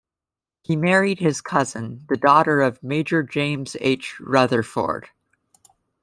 He married his cousin, the daughter of Major James H. Rutherford.